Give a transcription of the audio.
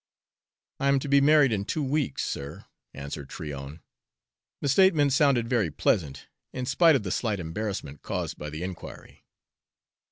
"I'm to be married in two weeks, sir," answered Tryon. The statement sounded very pleasant, in spite of the slight embarrassment caused by the inquiry.